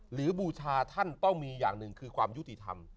บูชาท่านต้องมีอย่างหนึ่งคือความยุติธรรม